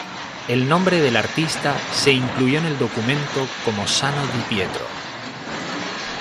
El nombre del artista se incluyó en el documento como Sano di Pietro.